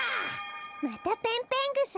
またペンペングサ？